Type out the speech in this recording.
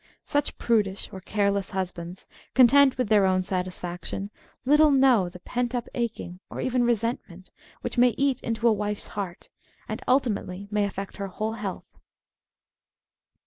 Such prudish or careless husbands, content with their own satisfaction, little know the pent up aching, or even rescntpent, which may eat into a wife's heart, and ultimately may affect her whole health.